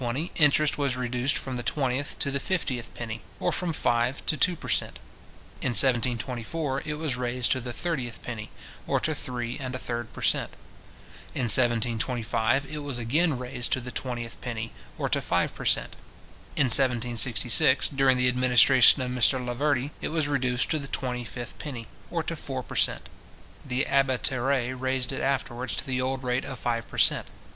In 1720, interest was reduced from the twentieth to the fiftieth penny, or from five to two per cent. In 1724, it was raised to the thirtieth penny, or to three and a third per cent. In 1725, it was again raised to the twentieth penny, or to five per cent. In 1766, during the administration of Mr Laverdy, it was reduced to the twenty fifth penny, or to four per cent. The Abbé Terray raised it afterwards to the old rate of five per cent.